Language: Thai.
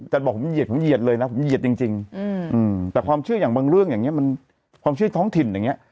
บอกผมเหยียดผมเหยียดเลยนะผมเหยียดจริงแต่ความเชื่ออย่างบางเรื่องอย่างนี้มันความเชื่อท้องถิ่นอย่างนี้